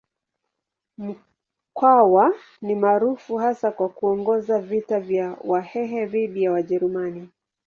Mkwawa ni maarufu hasa kwa kuongoza vita vya Wahehe dhidi ya Wajerumani.